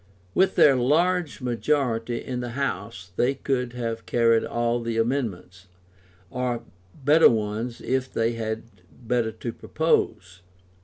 With their large majority in the House they could have carried all the amendments, or better ones if they had better to propose.